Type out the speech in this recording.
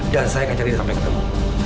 dan saya akan cari dia sampai ketemu